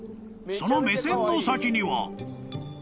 ［その目線の先には］